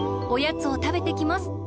おやつをたべてきます。